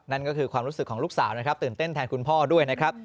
นั่นก็คือความรู้สึกของลูกสาวนะครับตื่นเต้นแทนคุณพ่อด้วยนะครับ